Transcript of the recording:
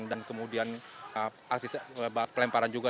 dan kemudian asli pelemparan juga